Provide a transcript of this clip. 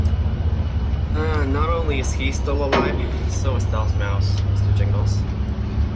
Not only is he still alive, so is Del's mouse, Mr. Jingles.